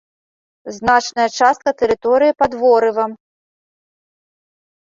Значная частка тэрыторыі пад ворывам.